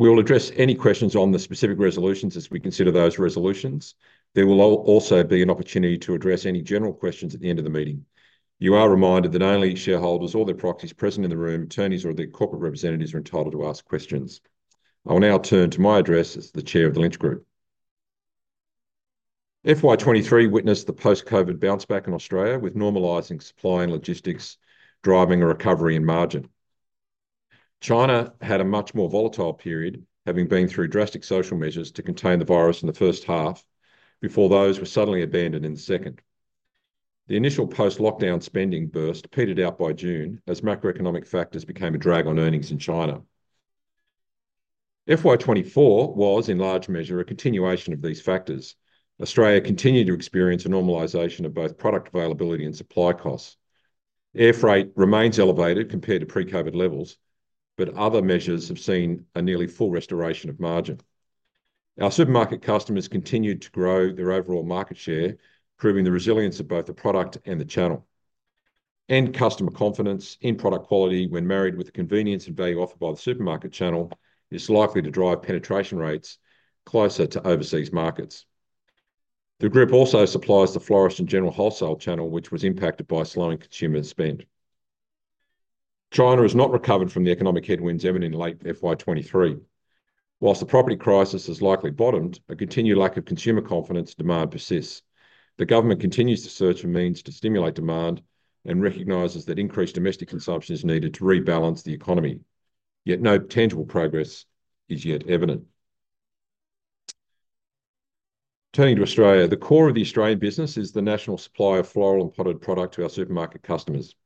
We will address any questions on the specific resolutions as we consider those resolutions. There will also be an opportunity to address any general questions at the end of the meeting. You are reminded that only shareholders or their proxies present in the room, attorneys, or their corporate representatives are entitled to ask questions. I will now turn to my address as the Chair of the Lynch Group. FY 2023 witnessed the post-COVID bounce back in Australia, with normalizing supply and logistics driving a recovery in margin. China had a much more volatile period, having been through drastic social measures to contain the virus in the first half, before those were suddenly abandoned in the second. The initial post-lockdown spending burst petered out by June as macroeconomic factors became a drag on earnings in China. FY 2024 was, in large measure, a continuation of these factors. Australia continued to experience a normalization of both product availability and supply costs. Air freight remains elevated compared to pre-COVID levels, but other measures have seen a nearly full restoration of margin. Our supermarket customers continued to grow their overall market share, proving the resilience of both the product and the channel. End customer confidence in product quality, when married with the convenience and value offered by the supermarket channel, is likely to drive penetration rates closer to overseas markets. The group also supplies the florist and general wholesale channel, which was impacted by slowing consumer spend. China has not recovered from the economic headwinds evident in late FY 2023. While the property crisis has likely bottomed, a continued lack of consumer confidence and demand persists. The government continues to search for means to stimulate demand and recognizes that increased domestic consumption is needed to rebalance the economy, yet no tangible progress is yet evident. Turning to Australia, the core of the Australian business is the national supply of floral and potted product to our supermarket customers.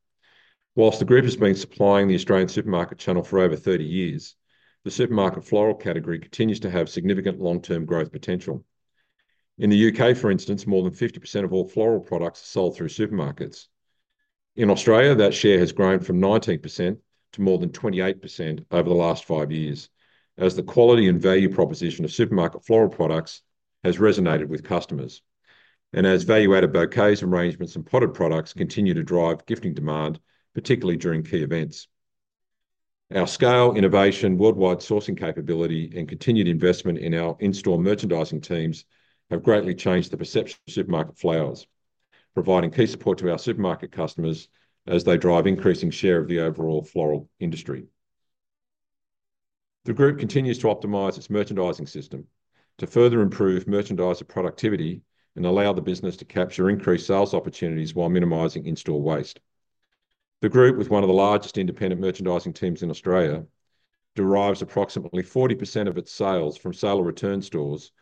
While the group has been supplying the Australian supermarket channel for over 30 years, the supermarket floral category continues to have significant long-term growth potential. In the U.K., for instance, more than 50% of all floral products are sold through supermarkets. In Australia, that share has grown from 19% to more than 28% over the last five years, as the quality and value proposition of supermarket floral products has resonated with customers, and as value-added bouquets, arrangements, and potted products continue to drive gifting demand, particularly during key events. Our scale, innovation, worldwide sourcing capability, and continued investment in our in-store merchandising teams have greatly changed the perception of supermarket florals, providing key support to our supermarket customers as they drive increasing share of the overall floral industry. The group continues to optimize its merchandising system to further improve merchandiser productivity and allow the business to capture increased sales opportunities while minimising in-store waste. The group, with one of the largest independent merchandising teams in Australia, derives approximately 40% of its sales from sale or return stores,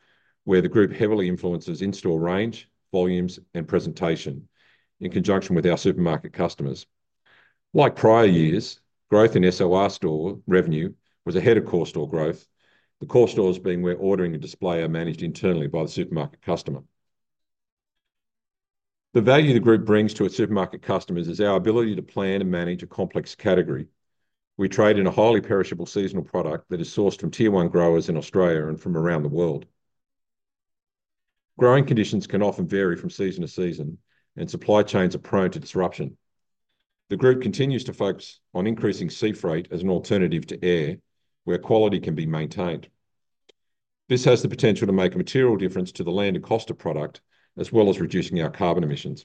where the group heavily influences in-store range, volumes, and presentation, in conjunction with our supermarket customers. Like prior years, growth in SOR store revenue was ahead of core store growth, the core stores being where ordering and display are managed internally by the supermarket customer. The value the group brings to its supermarket customers is our ability to plan and manage a complex category. We trade in a highly perishable seasonal product that is sourced from tier one growers in Australia and from around the world. Growing conditions can often vary from season to season, and supply chains are prone to disruption. The group continues to focus on increasing sea freight as an alternative to air, where quality can be maintained. This has the potential to make a material difference to the landed cost of product, as well as reducing our carbon emissions.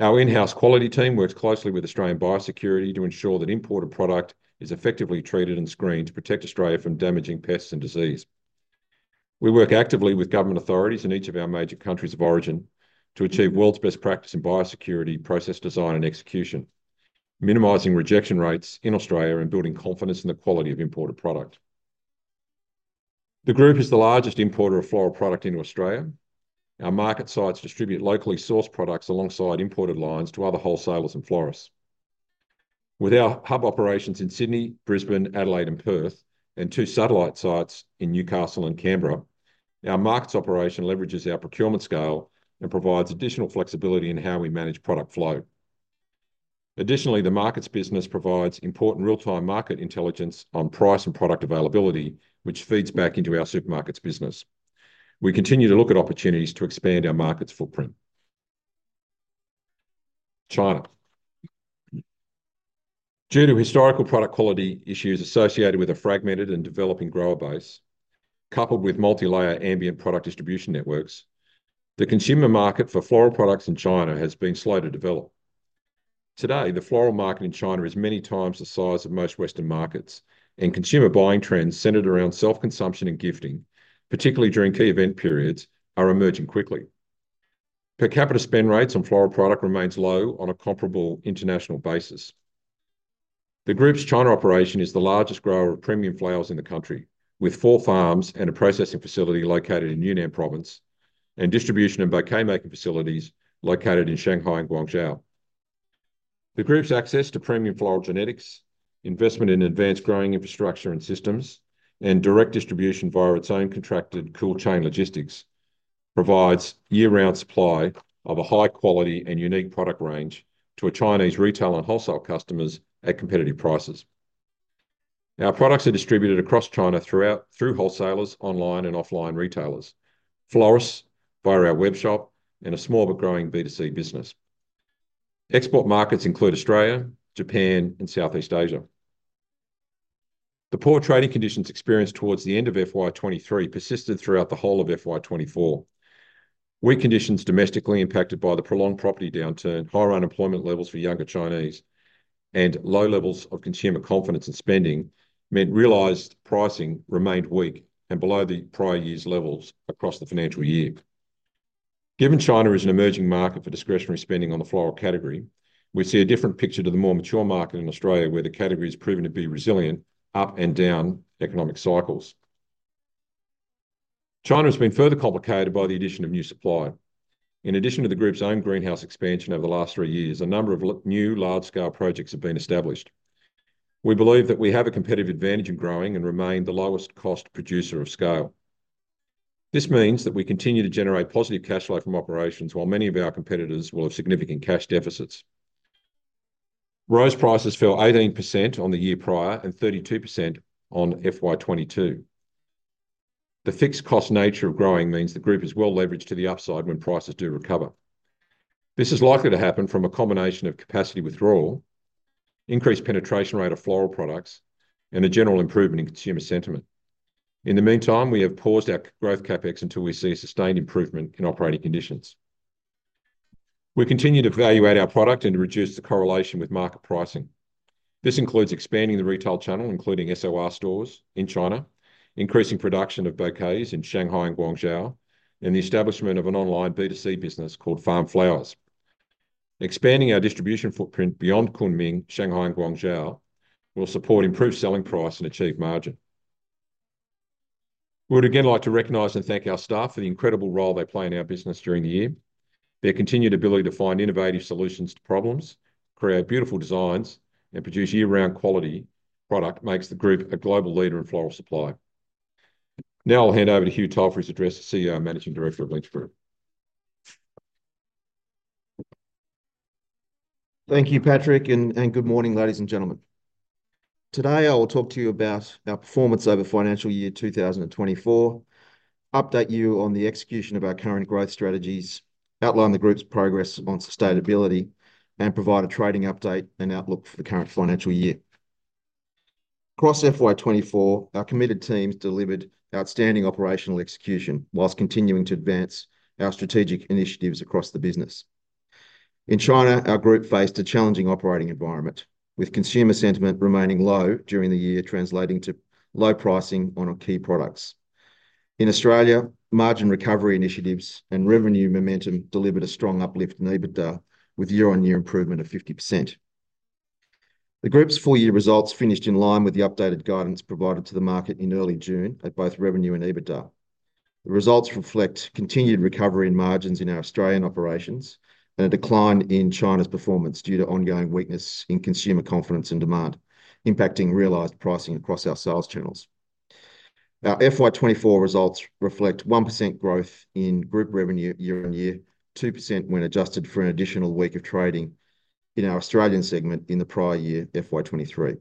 Our in-house quality team works closely with Australian biosecurity to ensure that imported product is effectively treated and screened to protect Australia from damaging pests and disease. We work actively with government authorities in each of our major countries of origin to achieve world's best practice in biosecurity process design and execution, minimizing rejection rates in Australia and building confidence in the quality of imported product. The group is the largest importer of floral product into Australia. Our market sites distribute locally sourced products alongside imported lines to other wholesalers and florists. With our hub operations in Sydney, Brisbane, Adelaide, and Perth, and two satellite sites in Newcastle and Canberra, our markets operation leverages our procurement scale and provides additional flexibility in how we manage product flow. Additionally, the markets business provides important real-time market intelligence on price and product availability, which feeds back into our supermarkets business. We continue to look at opportunities to expand our markets footprint. China. Due to historical product quality issues associated with a fragmented and developing grower base, coupled with multi-layer ambient product distribution networks, the consumer market for floral products in China has been slow to develop. Today, the floral market in China is many times the size of most Western markets, and consumer buying trends centered around self-consumption and gifting, particularly during key event periods, are emerging quickly. Per capita spend rates on floral product remain low on a comparable international basis. The group's China operation is the largest grower of premium flowers in the country, with four farms and a processing facility located in Yunnan Province and distribution and bouquet-making facilities located in Shanghai and Guangzhou. The group's access to premium floral genetics, investment in advanced growing infrastructure and systems, and direct distribution via its own contracted cool chain logistics provides year-round supply of a high-quality and unique product range to our Chinese retail and wholesale customers at competitive prices. Our products are distributed across China through wholesalers, online and offline retailers, florists via our web shop, and a small but growing B2C business. Export markets include Australia, Japan, and Southeast Asia. The poor trading conditions experienced towards the end of FY 2023 persisted throughout the whole of FY 2024. Weak conditions domestically impacted by the prolonged property downturn, higher unemployment levels for younger Chinese, and low levels of consumer confidence and spending meant realized pricing remained weak and below the prior year's levels across the financial year. Given China is an emerging market for discretionary spending on the floral category, we see a different picture to the more mature market in Australia, where the category has proven to be resilient up and down economic cycles. China has been further complicated by the addition of new supply. In addition to the group's own greenhouse expansion over the last three years, a number of new large-scale projects have been established. We believe that we have a competitive advantage in growing and remain the lowest-cost producer of scale. This means that we continue to generate positive cash flow from operations, while many of our competitors will have significant cash deficits. Rose prices fell 18% on the year prior and 32% on FY 2022. The fixed-cost nature of growing means the group is well leveraged to the upside when prices do recover. This is likely to happen from a combination of capacity withdrawal, increased penetration rate of floral products, and a general improvement in consumer sentiment. In the meantime, we have paused our growth CapEx until we see a sustained improvement in operating conditions. We continue to value our product and to reduce the correlation with market pricing. This includes expanding the retail channel, including SOR stores in China, increasing production of bouquets in Shanghai and Guangzhou, and the establishment of an online B2C business called Farm Flower. Expanding our distribution footprint beyond Kunming, Shanghai, and Guangzhou will support improved selling price and achieve margin. We would again like to recognize and thank our staff for the incredible role they play in our business during the year. Their continued ability to find innovative solutions to problems, create beautiful designs, and produce year-round quality product makes the group a global leader in floral supply. Now I'll hand over to Hugh Toll for his address as CEO and Managing Director of Lynch Group. Thank you, Patrick, and good morning, ladies and gentlemen. Today I will talk to you about our performance over financial year 2024, update you on the execution of our current growth strategies, outline the group's progress on sustainability, and provide a trading update and outlook for the current financial year. Across FY 2024, our committed teams delivered outstanding operational execution while continuing to advance our strategic initiatives across the business. In China, our group faced a challenging operating environment, with consumer sentiment remaining low during the year, translating to low pricing on our key products. In Australia, margin recovery initiatives and revenue momentum delivered a strong uplift in EBITDA, with year-on-year improvement of 50%. The group's full-year results finished in line with the updated guidance provided to the market in early June at both revenue and EBITDA. The results reflect continued recovery in margins in our Australian operations and a decline in China's performance due to ongoing weakness in consumer confidence and demand, impacting realized pricing across our sales channels. Our FY 2024 results reflect 1% growth in group revenue year-on-year, 2% when adjusted for an additional week of trading in our Australian segment in the prior year, FY 2023.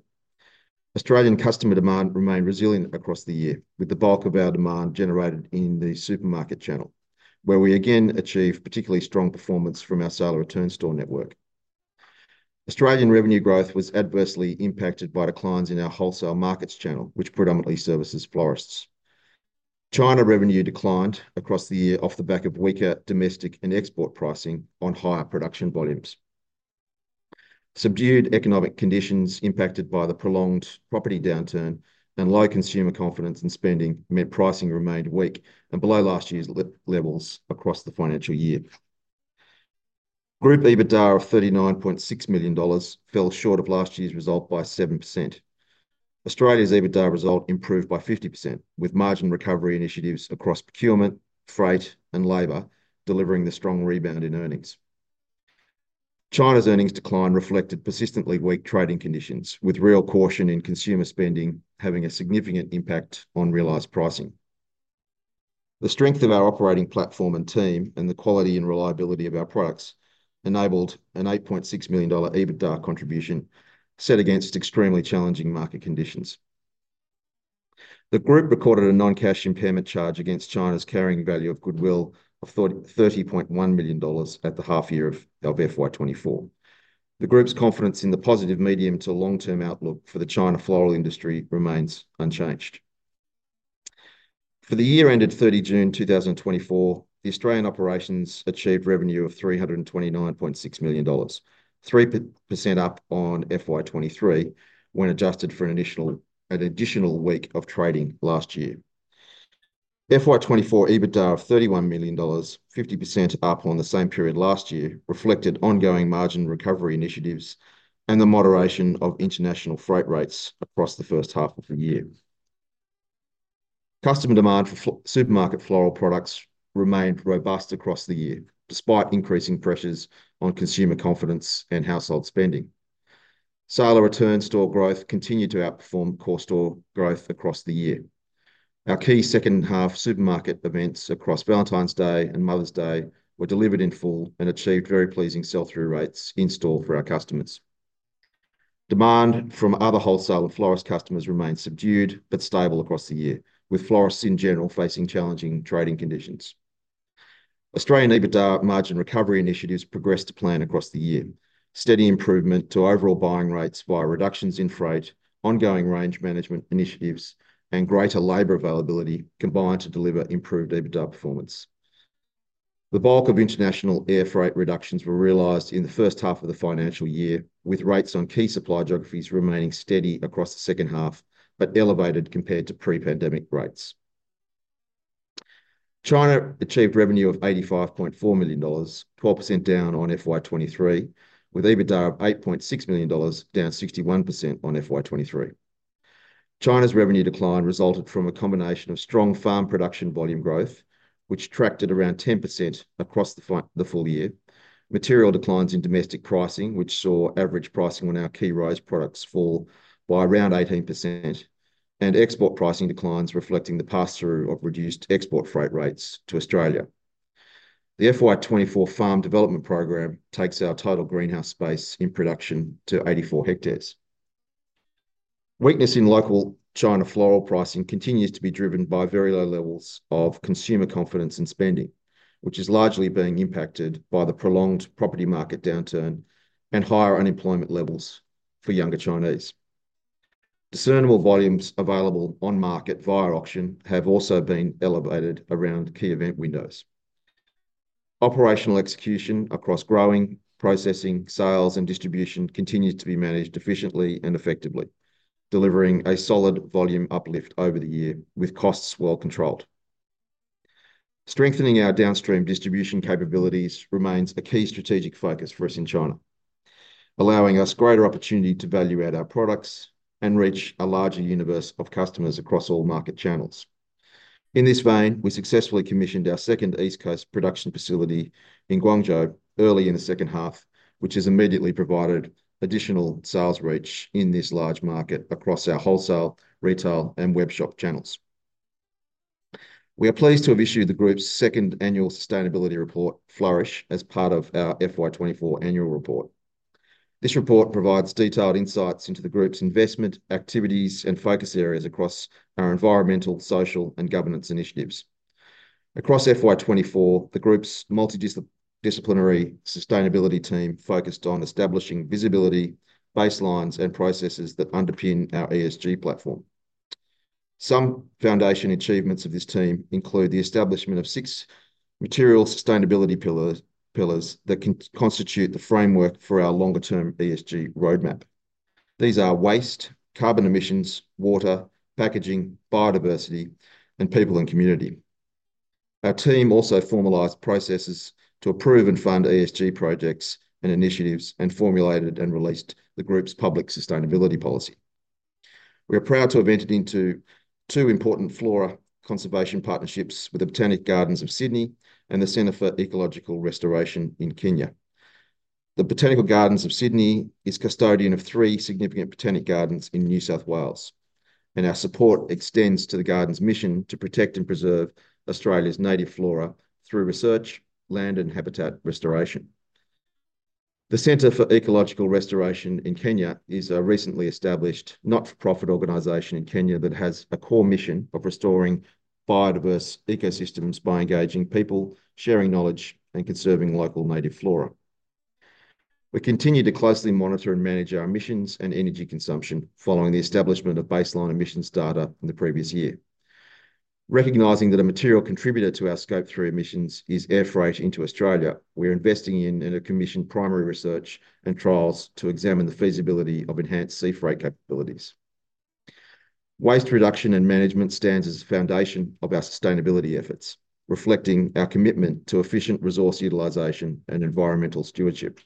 Australian customer demand remained resilient across the year, with the bulk of our demand generated in the supermarket channel, where we again achieved particularly strong performance from our sale or return store network. Australian revenue growth was adversely impacted by declines in our wholesale markets channel, which predominantly services florists. China revenue declined across the year off the back of weaker domestic and export pricing on higher production volumes. Subdued economic conditions impacted by the prolonged property downturn and low consumer confidence and spending meant pricing remained weak and below last year's levels across the financial year. Group EBITDA of 39.6 million dollars fell short of last year's result by 7%. Australia's EBITDA result improved by 50%, with margin recovery initiatives across procurement, freight, and labor delivering the strong rebound in earnings. China's earnings decline reflected persistently weak trading conditions, with real caution in consumer spending having a significant impact on realized pricing. The strength of our operating platform and team and the quality and reliability of our products enabled an 8.6 million dollar EBITDA contribution set against extremely challenging market conditions. The group recorded a non-cash impairment charge against China's carrying value of goodwill of 30.1 million dollars at the half year of FY 2024. The group's confidence in the positive medium to long-term outlook for the China floral industry remains unchanged. For the year ended 30 June 2024, the Australian operations achieved revenue of 329.6 million dollars, 3% up on FY 2023 when adjusted for an additional week of trading last year. FY 2024 EBITDA of 31 million dollars, 50% up on the same period last year, reflected ongoing margin recovery initiatives and the moderation of international freight rates across the first half of the year. Customer demand for supermarket floral products remained robust across the year, despite increasing pressures on consumer confidence and household spending. Sale or return store growth continued to outperform core store growth across the year. Our key second-half supermarket events across Valentine's Day and Mother's Day were delivered in full and achieved very pleasing sell-through rates in store for our customers. Demand from other wholesale and florist customers remained subdued but stable across the year, with florists in general facing challenging trading conditions. Australian EBITDA margin recovery initiatives progressed to plan across the year. Steady improvement to overall buying rates via reductions in freight, ongoing range management initiatives, and greater labour availability combined to deliver improved EBITDA performance. The bulk of international air freight reductions were realized in the first half of the financial year, with rates on key supply geographies remaining steady across the second half but elevated compared to pre-pandemic rates. China achieved revenue of 85.4 million dollars, 12% down on FY 2023, with EBITDA of 8.6 million dollars, down 61% on FY 2023. China's revenue decline resulted from a combination of strong farm production volume growth, which tracked at around 10% across the full year, material declines in domestic pricing, which saw average pricing on our key rose products fall by around 18%, and export pricing declines reflecting the pass-through of reduced export freight rates to Australia. The FY 2024 farm development program takes our total greenhouse space in production to 84 hectares. Weakness in local China floral pricing continues to be driven by very low levels of consumer confidence and spending, which is largely being impacted by the prolonged property market downturn and higher unemployment levels for younger Chinese. Discernible volumes available on market via auction have also been elevated around key event windows. Operational execution across growing, processing, sales, and distribution continues to be managed efficiently and effectively, delivering a solid volume uplift over the year with costs well controlled. Strengthening our downstream distribution capabilities remains a key strategic focus for us in China, allowing us greater opportunity to value out our products and reach a larger universe of customers across all market channels. In this vein, we successfully commissioned our second East Coast production facility in Guangzhou early in the second half, which has immediately provided additional sales reach in this large market across our wholesale, retail, and web shop channels. We are pleased to have issued the group's second annual sustainability report, Flourish, as part of our FY 2024 annual report. This report provides detailed insights into the group's investment activities and focus areas across our environmental, social, and governance initiatives. Across FY 2024, the group's multidisciplinary sustainability team focused on establishing visibility, baselines, and processes that underpin our ESG platform. Some foundation achievements of this team include the establishment of six material sustainability pillars that constitute the framework for our longer-term ESG roadmap. These are waste, carbon emissions, water, packaging, biodiversity, and people and community. Our team also formalized processes to approve and fund ESG projects and initiatives and formulated and released the group's public sustainability policy. We are proud to have entered into two important flora conservation partnerships with the Botanic Gardens of Sydney and the Centre for Ecological Restoration in Kenya. The Botanic Gardens of Sydney is custodian of three significant botanic gardens in New South Wales, and our support extends to the gardens' mission to protect and preserve Australia's native flora through research, land, and habitat restoration. The Centre for Ecological Restoration in Kenya is a recently established not-for-profit organization in Kenya that has a core mission of restoring biodiverse ecosystems by engaging people, sharing knowledge, and conserving local native flora. We continue to closely monitor and manage our emissions and energy consumption following the establishment of baseline emissions data in the previous year. Recognizing that a material contributor to our Scope 3 emissions is air freight into Australia, we are investing in and have commissioned primary research and trials to examine the feasibility of enhanced sea freight capabilities. Waste reduction and management stands as a foundation of our sustainability efforts, reflecting our commitment to efficient resource utilization and environmental stewardship.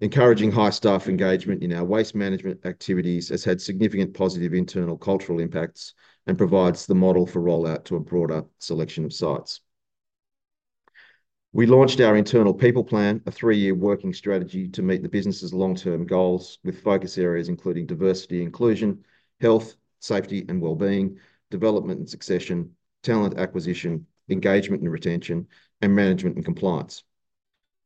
Encouraging high staff engagement in our waste management activities has had significant positive internal cultural impacts and provides the model for rollout to a broader selection of sites. We launched our internal people plan, a three-year working strategy to meet the business's long-term goals, with focus areas including diversity, inclusion, health, safety and well-being, development and succession, talent acquisition, engagement and retention, and management and compliance.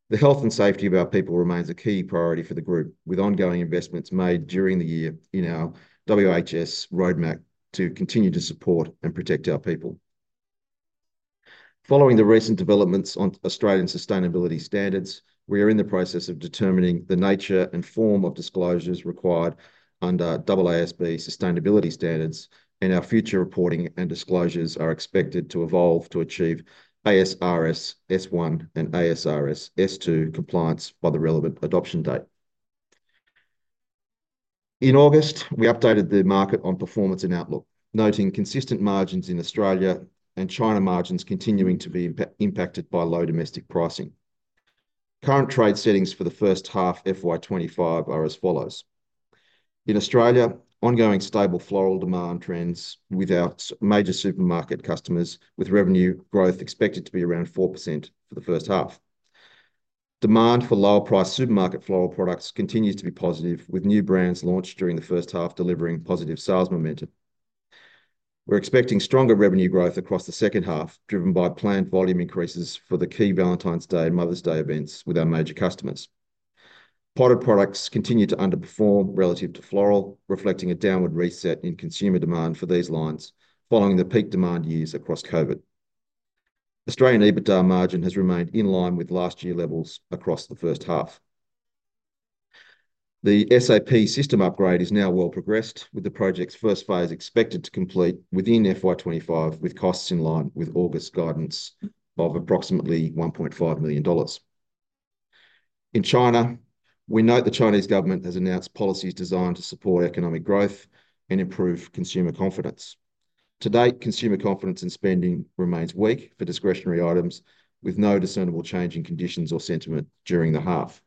The health and safety of our people remains a key priority for the group, with ongoing investments made during the year in our WHS roadmap to continue to support and protect our people. Following the recent developments on Australian sustainability standards, we are in the process of determining the nature and form of disclosures required under AASB sustainability standards, and our future reporting and disclosures are expected to evolve to achieve ASRS S1 and ASRS S2 compliance by the relevant adoption date. In August, we updated the market on performance and outlook, noting consistent margins in Australia and China margins continuing to be impacted by low domestic pricing. Current trade settings for the first half of FY 2025 are as follows. In Australia, ongoing stable floral demand trends with our major supermarket customers, with revenue growth expected to be around 4% for the first half. Demand for lower-priced supermarket floral products continues to be positive, with new brands launched during the first half delivering positive sales momentum. We're expecting stronger revenue growth across the second half, driven by planned volume increases for the key Valentine's Day and Mother's Day events with our major customers. Potted products continue to underperform relative to floral, reflecting a downward reset in consumer demand for these lines following the peak demand years across COVID. Australian EBITDA margin has remained in line with last year levels across the first half. The SAP system upgrade is now well progressed, with the project's first phase expected to complete within FY 2025, with costs in line with August's guidance of approximately 1.5 million dollars. In China, we note the Chinese government has announced policies designed to support economic growth and improve consumer confidence. To date, consumer confidence and spending remains weak for discretionary items, with no discernible change in conditions or sentiment during the half.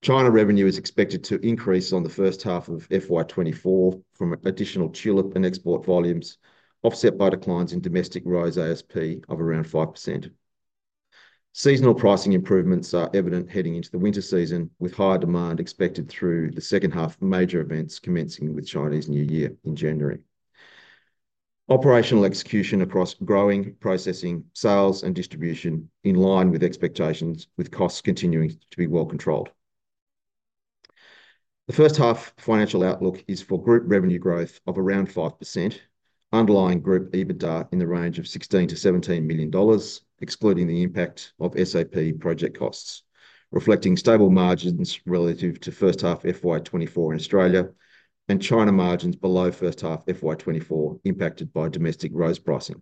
China revenue is expected to increase on the first half of FY 2024 from additional chill and export volumes, offset by declines in domestic rose ASP of around 5%. Seasonal pricing improvements are evident heading into the winter season, with higher demand expected through the second half of major events commencing with Chinese New Year in January. Operational execution across growing, processing, sales, and distribution is in line with expectations, with costs continuing to be well controlled. The first half financial outlook is for group revenue growth of around 5%, underlying group EBITDA in the range of AUD 16 million-AUD 17 million, excluding the impact of SAP project costs, reflecting stable margins relative to first half FY 2024 in Australia and China margins below first half FY 2024 impacted by domestic rose pricing.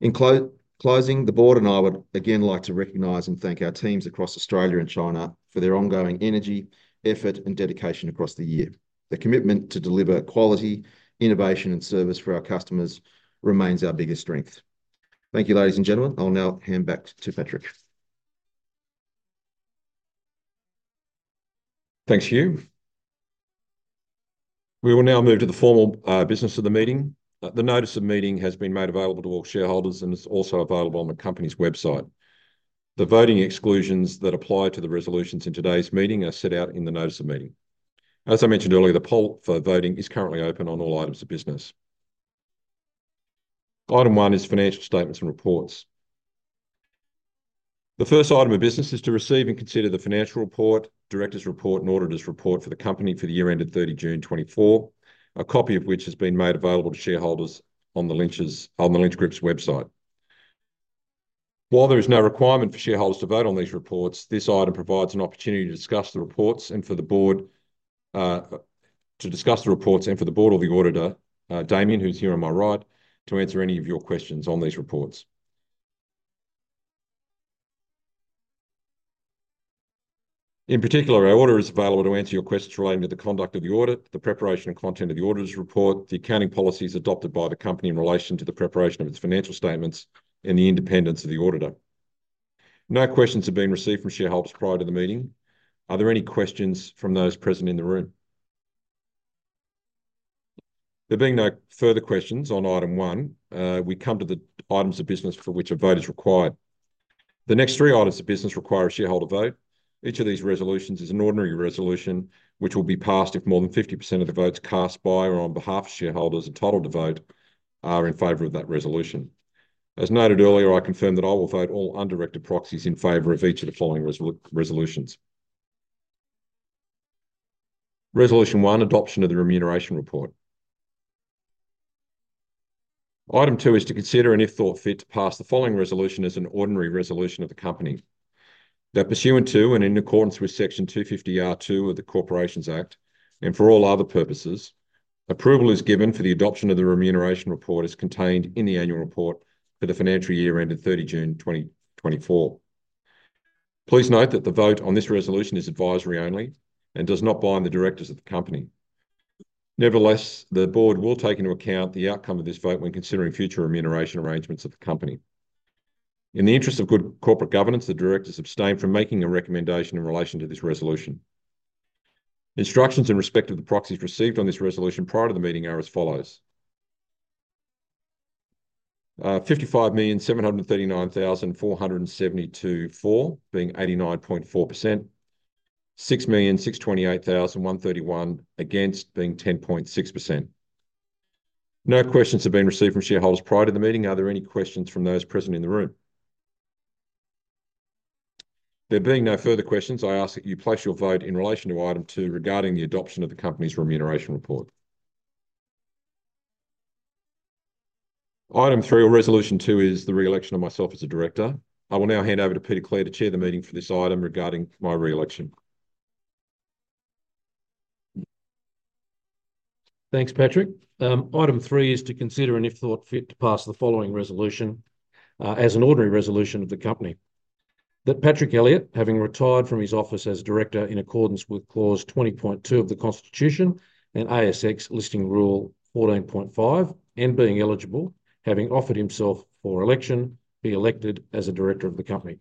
In closing, the board and I would again like to recognize and thank our teams across Australia and China for their ongoing energy, effort, and dedication across the year. The commitment to deliver quality, innovation, and service for our customers remains our biggest strength. Thank you, ladies and gentlemen. I'll now hand back to Patrick. Thanks, Hugh. We will now move to the formal business of the meeting. The notice of meeting has been made available to all shareholders and is also available on the company's website. The voting exclusions that apply to the resolutions in today's meeting are set out in the notice of meeting. As I mentioned earlier, the poll for voting is currently open on all items of business. Item one is financial statements and reports. The first item of business is to receive and consider the financial report, director's report, and auditor's report for the company for the year ended 30 June 2024, a copy of which has been made available to shareholders on the Lynch Group's website. While there is no requirement for shareholders to vote on these reports, this item provides an opportunity to discuss the reports and for the board to discuss the reports and for the board or the auditor, Damien, who's here on my right, to answer any of your questions on these reports. In particular, our auditor is available to answer your questions relating to the conduct of the audit, the preparation and content of the auditor's report, the accounting policies adopted by the company in relation to the preparation of its financial statements, and the independence of the auditor. No questions have been received from shareholders prior to the meeting. Are there any questions from those present in the room? There being no further questions on item one, we come to the items of business for which a vote is required. The next three items of business require a shareholder vote. Each of these resolutions is an ordinary resolution, which will be passed if more than 50% of the votes cast by or on behalf of shareholders entitled to vote are in favor of that resolution. As noted earlier, I confirm that I will vote all undirected proxies in favor of each of the following resolutions. Resolution one, adoption of the remuneration report. Item two is to consider and, if thought fit, to pass the following resolution as an ordinary resolution of the company. Now, pursuant to and in accordance with Section 250R(2) of the Corporations Act and for all other purposes, approval is given for the adoption of the remuneration report as contained in the annual report for the financial year ended 30 June 2024. Please note that the vote on this resolution is advisory only and does not bind the directors of the company. Nevertheless, the board will take into account the outcome of this vote when considering future remuneration arrangements of the company. In the interest of good corporate governance, the directors abstain from making a recommendation in relation to this resolution. Instructions in respect of the proxies received on this resolution prior to the meeting are as follows. 55,739,472 for being 89.4%, 6,628,131 against being 10.6%. No questions have been received from shareholders prior to the meeting. Are there any questions from those present in the room? There being no further questions, I ask that you place your vote in relation to item two regarding the adoption of the company's remuneration report. Item three or resolution two is the re-election of myself as a director. I will now hand over to Peter Clare to chair the meeting for this item regarding my re-election. Thanks, Patrick. Item three is to consider and, if thought fit, to pass the following resolution as an ordinary resolution of the company. That Patrick Elliott, having retired from his office as director in accordance with clause 20.2 of the Constitution and ASX Listing Rule 14.5, and being eligible, having offered himself for election, be elected as a director of the company.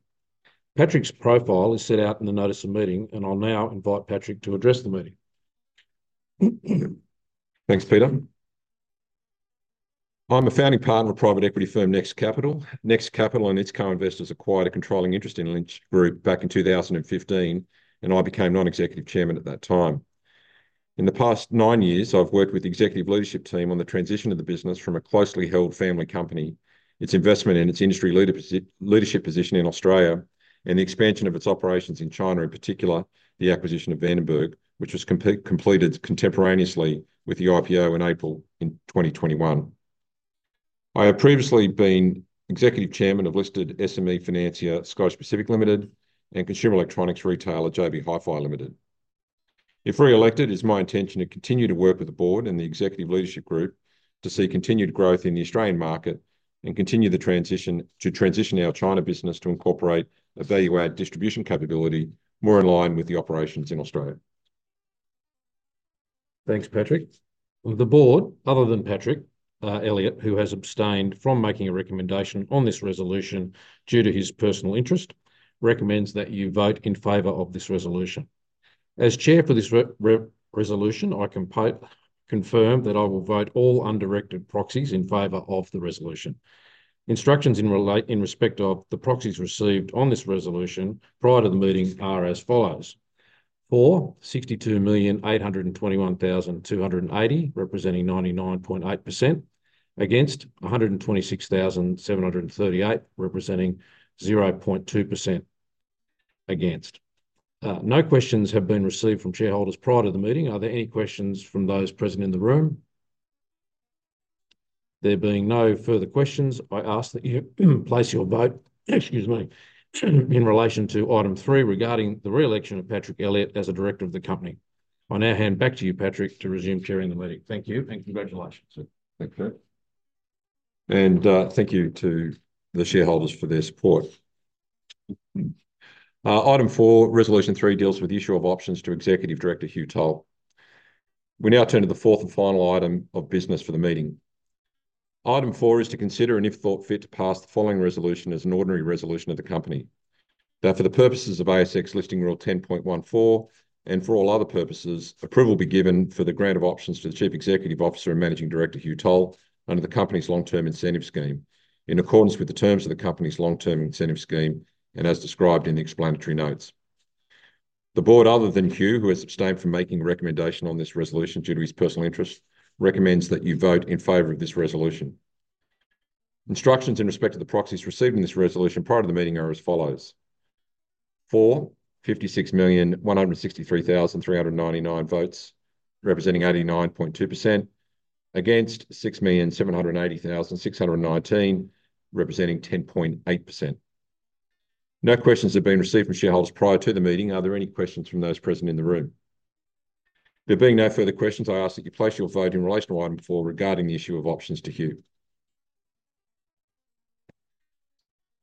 Patrick's profile is set out in the notice of meeting, and I'll now invite Patrick to address the meeting. Thanks, Peter. I'm a founding partner of private equity firm Next Capital. Next Capital and its co-investors acquired a controlling interest in Lynch Group back in 2015, and I became non-executive Chairman at that time. In the past nine years, I've worked with the executive leadership team on the transition of the business from a closely held family company, its investment in its industry leadership position in Australia, and the expansion of its operations in China, in particular, the acquisition of Van den Berg, which was completed contemporaneously with the IPO in April 2021. I have previously been executive chairman of listed SME Pacific Star Network Limited and consumer electronics retailer JB Hi-Fi Limited. If re-elected, it is my intention to continue to work with the board and the executive leadership group to see continued growth in the Australian market and continue the transition to transition our China business to incorporate a value-added distribution capability more in line with the operations in Australia. Thanks, Patrick. The board, other than Patrick Elliott, who has abstained from making a recommendation on this resolution due to his personal interest, recommends that you vote in favor of this resolution. As chair for this resolution, I can confirm that I will vote all undirected proxies in favor of the resolution. Instructions in respect of the proxies received on this resolution prior to the meeting are as follows. For 62,821,280, representing 99.8%, against 126,738, representing 0.2%. Against. No questions have been received from shareholders prior to the meeting. Are there any questions from those present in the room? There being no further questions, I ask that you place your vote, excuse me, in relation to item three regarding the re-election of Patrick Elliott as a director of the company. I now hand back to you, Patrick, to resume chairing the meeting. Thank you and congratulations. Thank you. Thank you to the shareholders for their support. Item four, resolution three deals with the issue of options to Executive Director Hugh Toll. We now turn to the fourth and final item of business for the meeting. Item four is to consider and, if thought fit, to pass the following resolution as an ordinary resolution of the company. Now, for the purposes of ASX Listing Rule 10.14 and for all other purposes, approval will be given for the grant of options to the Chief Executive Officer and Managing Director Hugh Toll under the company's long-term incentive scheme, in accordance with the terms of the company's long-term incentive scheme and as described in the explanatory notes. The board, other than Hugh, who has abstained from making a recommendation on this resolution due to his personal interest, recommends that you vote in favour of this resolution. Instructions in respect of the proxies received in this resolution prior to the meeting are as follows. For 56,163,399 votes, representing 89.2%, against 6,780,619, representing 10.8%. No questions have been received from shareholders prior to the meeting. Are there any questions from those present in the room? There being no further questions, I ask that you place your vote in relation to item four regarding the issue of options to Hugh.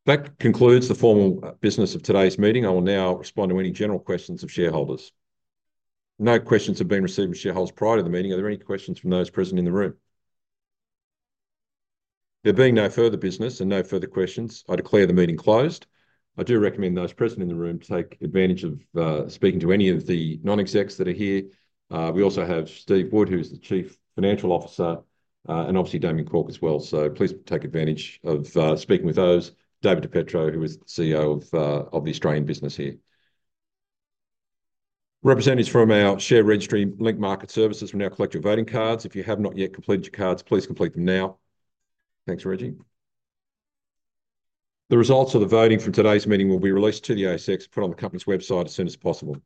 That concludes the formal business of today's meeting. I will now respond to any general questions of shareholders. No questions have been received from shareholders prior to the meeting. Are there any questions from those present in the room? There being no further business and no further questions, I declare the meeting closed. I do recommend those present in the room to take advantage of speaking to any of the non-execs that are here. We also have Steve Wood, who is the Chief Financial Officer, and obviously Damien Cork as well. So please take advantage of speaking with those. David Di Pietro, who is the CEO of the Australian business here. Representatives from our share registry, Link Market Services, will now collect your voting cards. If you have not yet completed your cards, please complete them now. Thanks, Reggie. The results of the voting from today's meeting will be released to the ASX, put on the company's website as soon as possible.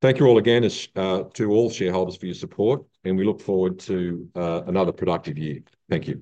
Thank you all again to all shareholders for your support, and we look forward to another productive year. Thank you.